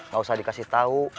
gak usah dikasih tau